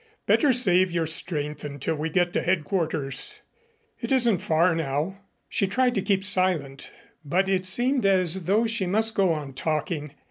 Better save your strength until we get to headquarters. It isn't far now." She tried to keep silent, but it seemed as though she must go on talking.